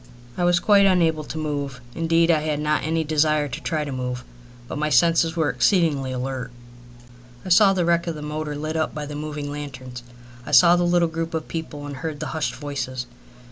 I was quite unable to move. Indeed, I had not any desire to try to move. But my senses were exceedingly alert. I saw the wreck of the motor lit up by the moving lanterns. I saw the little group of people and heard the hushed voices.